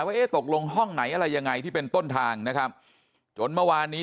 ว่าเอ๊ะตกลงห้องไหนอะไรยังไงที่เป็นต้นทางนะครับจนเมื่อวานนี้